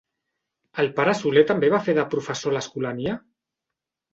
El pare Soler també va fer de professor a l'Escolania?